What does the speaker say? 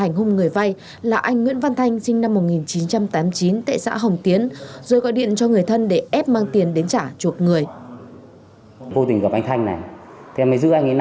hành hùng người vai là anh nguyễn văn thanh sinh năm một nghìn chín trăm tám mươi chín tệ xã hồng tiến rồi gọi điện cho người thân để ép mang tiền đến trả chuộc người